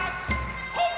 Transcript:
ほっ！